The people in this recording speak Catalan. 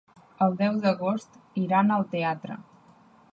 El deu d'agost iran al teatre.